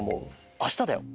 あしただよ。